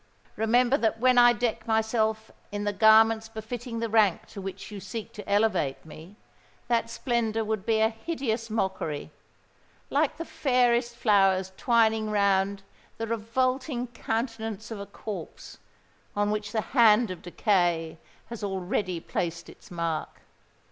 Remember that when I deck myself in the garments befitting the rank to which you seek to elevate me, that splendour would be a hideous mockery—like the fairest flowers twining round the revolting countenance of a corpse on which the hand of decay has already placed its mark!